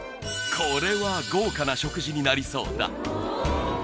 これは豪華な食事になりそうだ